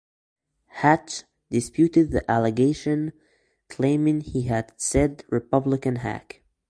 Hatch disputed the allegation, claiming he had said Republican hack.